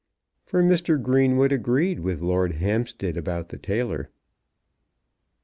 For Mr. Greenwood agreed with Lord Hampstead about the tailor.